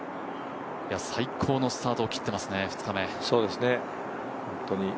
最高のスタートを切っていますね、２日目。